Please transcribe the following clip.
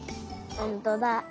ほんとだ。